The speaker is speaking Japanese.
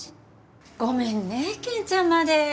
ごめんね健ちゃんまで。